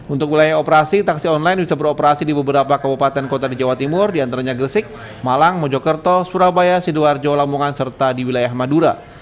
untuk wilayah operasi taksi online bisa beroperasi di beberapa kabupaten kota di jawa timur diantaranya gresik malang mojokerto surabaya sidoarjo lamongan serta di wilayah madura